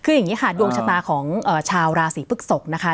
คืออย่างนี้ค่ะดวงชะตาของชาวราศีพฤกษกนะคะ